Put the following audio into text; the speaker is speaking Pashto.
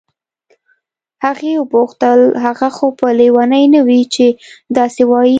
هغې وپوښتل هغه خو به لیونی نه وي چې داسې وایي.